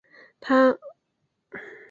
父母亲都是河南望族。